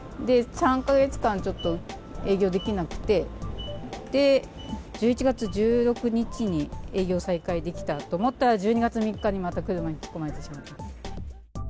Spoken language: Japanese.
３か月間営業できなくて１１月１６日に営業再開できたと思ったら１２月３日にまた車に突っ込まれてしまった。